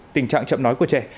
tình trạng chậm nói của trẻ